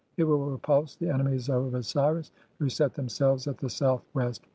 [IT WILL REPULSE THE ENEMIES OF OSIRIS] WHO SET THEMSELVES AT THE SOUTH (WEST?)